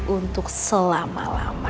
untuk selama lama